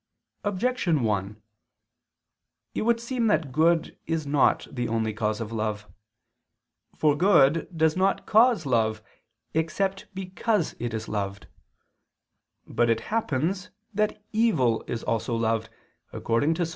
Objection 1: It would seem that good is not the only cause of love. For good does not cause love, except because it is loved. But it happens that evil also is loved, according to Ps.